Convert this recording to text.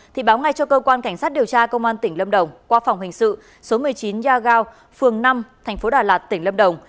thì báo ngay cho cơ quan cảnh sát điều tra công an tỉnh lâm đồng qua phòng hình sự số một mươi chín yagao phường năm thành phố đà lạt tỉnh lâm đồng